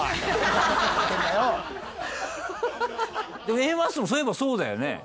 Ａマッソもそういえばそうだよね。